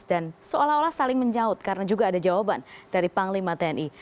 dan seolah olah saling menjauh karena juga ada jawaban dari panglima tni